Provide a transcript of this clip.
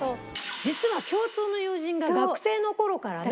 実は共通の友人が学生の頃からね。